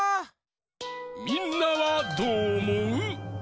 みんなはどうおもう？